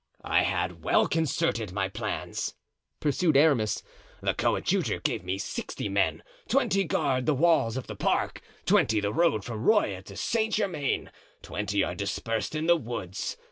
"I had well concerted my plans," pursued Aramis; "the coadjutor gave me sixty men; twenty guard the walls of the park, twenty the road from Rueil to Saint Germain, twenty are dispersed in the woods.